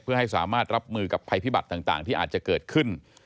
เพื่อให้สามารถรับมือกับภัยพิบัติต่างที่อาจจะเกิดขึ้น